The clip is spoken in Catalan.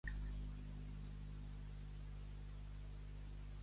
Hi ha qui s'esmussa del dolç i, de l'agre, no.